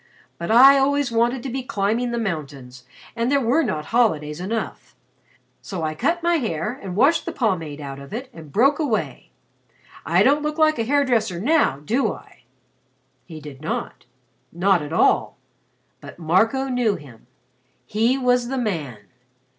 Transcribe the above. But I always wanted to be climbing the mountains and there were not holidays enough. So I cut my hair, and washed the pomade out of it, and broke away. I don't look like a hair dresser now, do I?" He did not. Not at all. But Marco knew him. He was the man.